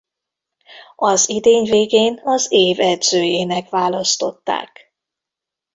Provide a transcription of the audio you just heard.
Az idény végén az év edzőjének választották.